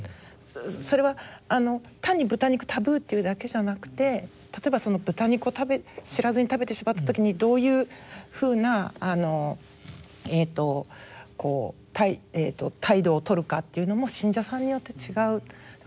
それは単に豚肉タブーっていうだけじゃなくて例えば豚肉を知らずに食べてしまった時にどういうふうな態度をとるかっていうのも信者さんによって違う。